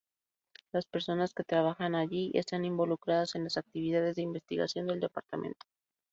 Las personas que trabajan allí están involucrados en las actividades de investigación del departamento.